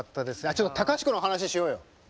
ちょっと隆子の話しようよ！